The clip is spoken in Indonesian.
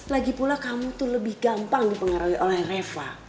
lagipula kamu tuh lebih gampang dipengaruhi oleh reva